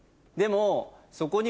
でも。